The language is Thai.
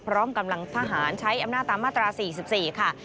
พร้อมกำลังทหารใช้อำนาจตามมาตรา๔๔ค่ะ